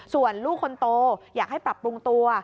ส่วนลูกคนโตอยากให้ปรับปรุงตัว